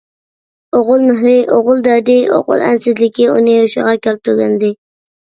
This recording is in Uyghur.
ئوغۇل مېھرى، ئوغۇل دەردى، ئوغۇل ئەنسىزلىكى ئۇنى ھوشىغا كەلتۈرگەنىدى.